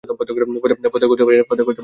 পয়দা করতে পারি না।